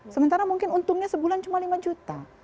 sementara mungkin untungnya sebulan cuma lima juta